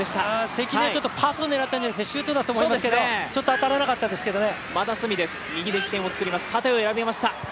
関根、パスを狙ったんじゃなくてシュートだったと思うんですけどちょっと当たらなかったですけどね。